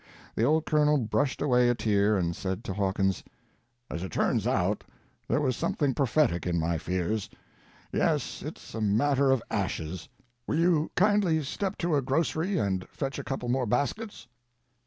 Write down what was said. The old Colonel brushed away a tear and said to Hawkins: "As it turns out there was something prophetic in my fears. Yes, it's a matter of ashes. Will you kindly step to a grocery and fetch a couple more baskets?"